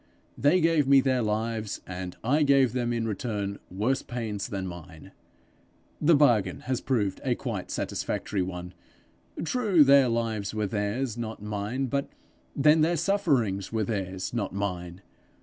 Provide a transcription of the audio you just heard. They gave me their lives, and I gave them in return worse pains than mine. The bargain has proved a quite satisfactory one! True, their lives were theirs, not mine; but then their sufferings were theirs, not mine!